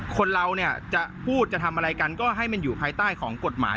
คนเราเนี่ยจะพูดจะทำอะไรกันก็ให้มันอยู่ภายใต้ของกฎหมาย